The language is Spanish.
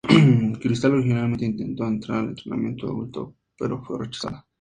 Crystal originalmente intentó entrar en el entretenimiento adulto, pero fue rechazada.